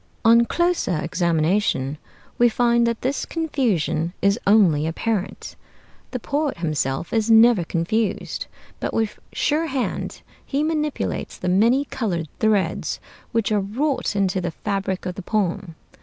On closer examination we find that this confusion is only apparent. The poet himself is never confused, but with sure hand he manipulates the many colored threads which are wrought into the fabric of the poem.